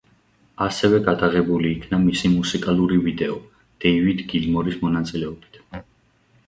ასევე გადაღებული იქნა მისი მუსიკალური ვიდეო, დევიდ გილმორის მონაწილეობით.